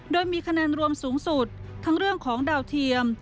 โดยมีคะแนนรวมสูงสุดทั้งเรื่องของดาวเทียม